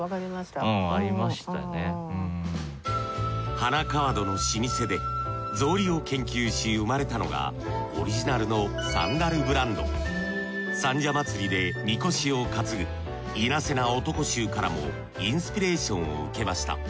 花川戸の老舗で草履を研究し生まれたのがオリジナルの三社祭でみこしを担ぐいなせな男衆からもインスピレーションを受けました。